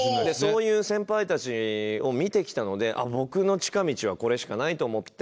そういう先輩たちを見てきたので僕の近道はこれしかないと思って。